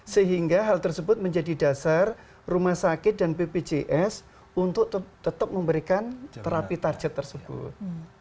sehingga hal tersebut menjadi dasar rumah sakit dan bpjs untuk tetap memberikan terapi target tersebut